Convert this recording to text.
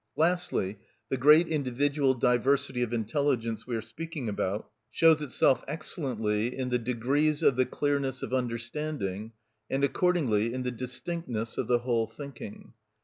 Lastly, the great individual diversity of intelligence we are speaking about shows itself excellently in the degrees of the clearness of understanding, and accordingly in the distinctness of the whole thinking.